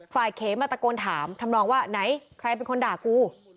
เขมาตะโกนถามทำนองว่าไหนใครเป็นคนด่ากู